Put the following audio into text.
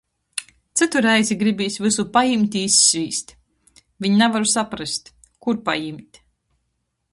Cytu reizi gribīs vysu pajimt i izsvīst... Viņ navaru saprast, kur pajimt